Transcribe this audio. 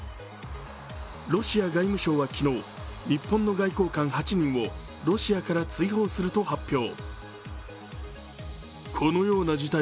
ロシア外務省は昨日日本の外交官８人をロシアから追放すると発表。